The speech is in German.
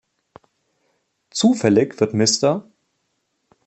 Zufällig wird Mr.